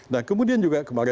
nah kemudian juga kemarin